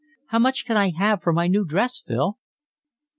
"How much can I have for my new dress, Phil?"